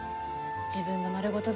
自分の丸ごと